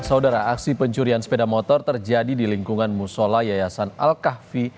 saudara aksi pencurian sepeda motor terjadi di lingkungan musola yayasan al kahfi